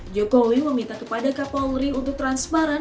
jokowi meminta kepada kapolri untuk transparan